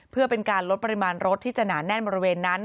เพื่อเป็นการลดปริมาณรถที่จะหนาแน่นบริเวณนั้น